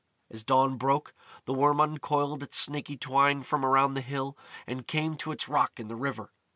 As dawn broke, the Worm uncoiled its snaky twine from around the hill, and came to its rock in the river.